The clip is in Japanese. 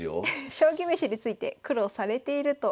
将棋めしについて苦労されているということです。